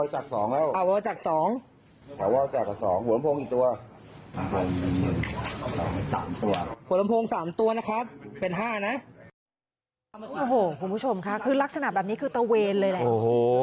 โหโหคุณผู้ชมคะคือลักษณะแบบนี้คือเตอร์เวรเลยแหละ